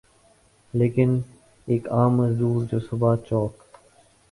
لیکن ایک عام مزدور جو صبح چوک